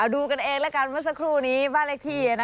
ดูกันเองแล้วกันเมื่อสักครู่นี้บ้านเลขที่